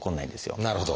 なるほど。